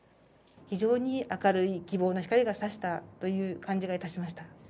非常に明るい希望の光がさしたという感じがいたしました。